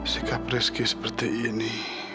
sikap rizky seperti ini